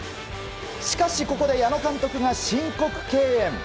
しかしここで矢野監督が申告敬遠。